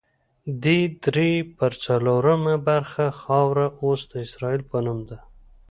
دې درې پر څلورمه برخه خاوره اوس د اسرائیل په نوم ده.